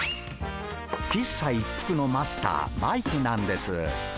喫茶一服のマスターマイクなんです。